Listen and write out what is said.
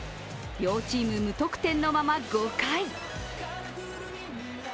両チーム無得点のまま５回。